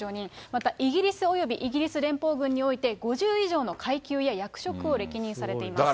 またイギリスおよびイギリス連邦軍において、５０以上の階級や役職を歴任されています。